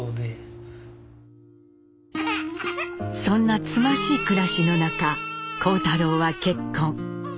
そんなつましい暮らしの中幸太郎は結婚。